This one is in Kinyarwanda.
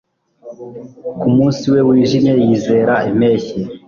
ku munsi we wijimye yizera impeshyi